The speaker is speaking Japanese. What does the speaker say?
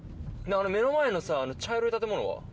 目の前のさあの茶色い建物は？